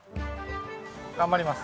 頑張ります。